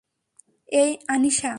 এই, আনিশা।